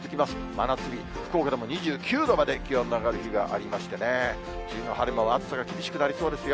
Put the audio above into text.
真夏日、福岡でも２９度まで気温の上がる日がありましてね、梅雨の晴れ間は暑さが厳しくなりそうですよ。